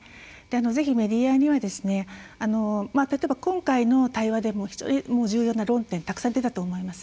ぜひ、メディアには例えば今回の対話でも非常に重要な論点がたくさん出たと思います。